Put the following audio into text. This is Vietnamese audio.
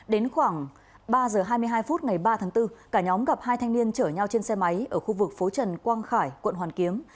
đến khoảng ba giờ hai mươi hai phút ngày ba tháng bốn cả nhóm gặp hai thanh niên chở nhau trên xe máy ở khu vực phố trần quang khải quận hoàn kiếm